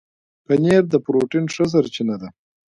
پنېر د پروټين ښه سرچینه ده.